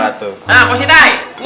nah pak siti